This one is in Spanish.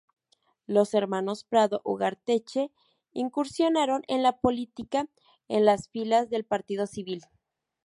Los hermanos Prado Ugarteche incursionaron en la política en las filas del Partido Civil.